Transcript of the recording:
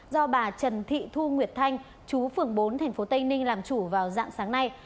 do bà trần thị thu nguyệt thanh chú phường bốn tp tây ninh làm chủ vào dạng sáng nay